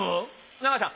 永井さん